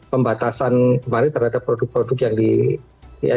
pembatasan kemarin terhadap produk produk yang dilakukan